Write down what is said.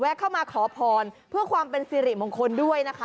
เข้ามาขอพรเพื่อความเป็นสิริมงคลด้วยนะคะ